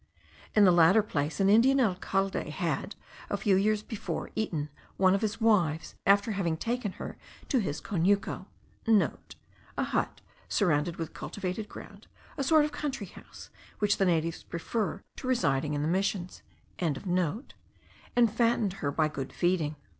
In the latter place, an Indian alcalde had, a few years before, eaten one of his wives, after having taken her to his conuco,* (* A hut surrounded with cultivated ground; a sort of country house, which the natives prefer to residing in the missions.) and fattened her by good feeding.